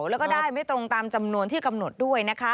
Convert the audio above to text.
แล้วก็ได้ไม่ตรงตามจำนวนที่กำหนดด้วยนะคะ